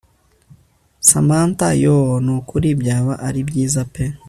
Samantha yoooo nukuri byaba ari byiza pee